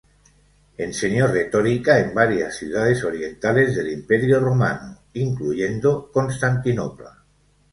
Enseñó retórica en varias ciudades orientales del Imperio romano, incluyendo Constantinopla.